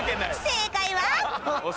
正解は